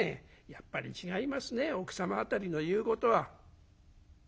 やっぱり違いますね奥様辺りの言うことは」。